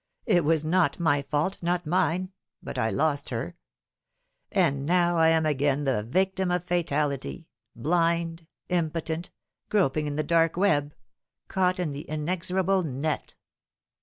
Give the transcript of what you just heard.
It was not my fault not mine but I lost her. And now I am again the victim of fatality blind, impotent groping in the dark web caught in the inexorable net."